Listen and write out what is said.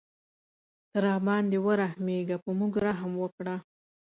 ته راباندې ورحمېږه په موږ رحم وکړه.